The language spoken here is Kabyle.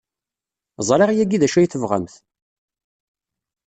Ẓriɣ yagi d acu ay tebɣamt!